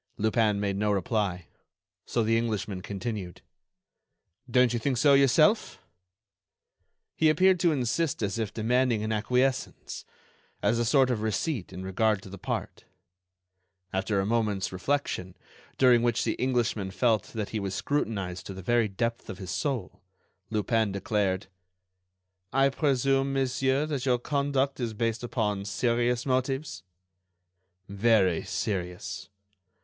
Lupin made no reply. So the Englishman continued: "Don't you think so yourself?" He appeared to insist as if demanding an acquiescence, as a sort of receipt in regard to the part. After a moment's reflection, during which the Englishman felt that he was scrutinized to the very depth of his soul, Lupin declared: "I presume, monsieur, that your conduct is based upon serious motives?" "Very serious."